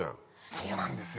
そうなんですよ。